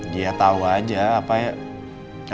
ya tau aja apa ya